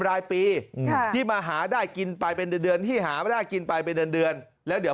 รายปีที่มาหาได้กินไปเป็นเดือนที่หาได้กินไปเป็นเดือนแล้ว